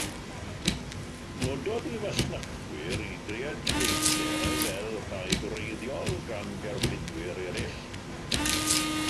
Nododd ei fasnachwyr ei greadigaethau fel rhai gwreiddiol gan gerflunwyr eraill.